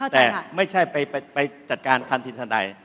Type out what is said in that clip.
แต่ไม่ใช่ไปจัดการทันทีทันใด